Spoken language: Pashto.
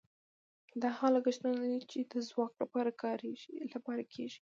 دا هغه لګښتونه دي چې د ځواک لپاره کیږي.